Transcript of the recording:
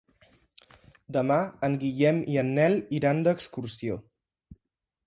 Demà en Guillem i en Nel iran d'excursió.